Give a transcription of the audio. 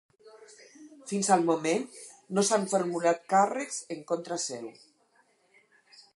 Fins al moment no s'han formulat càrrecs en contra seu.